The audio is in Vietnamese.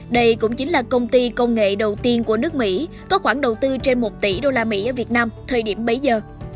đây cũng chính là công ty công nghệ đầu tiên của nước mỹ có khoảng đầu tư trên một tỷ usd ở việt nam thời điểm bấy giờ